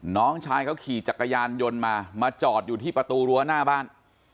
น้องชายเขาขี่จักรยานยนต์มามาจอดอยู่ที่ประตูรั้วหน้าบ้าน